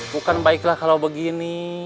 bukan baiklah kalau begini